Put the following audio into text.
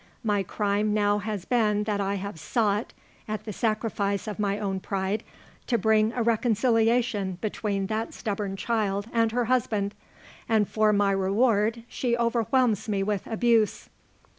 My crime now has been that I have sought at the sacrifice of my own pride to bring a reconciliation between that stubborn child and her husband, and for my reward she overwhelms me with abuse!"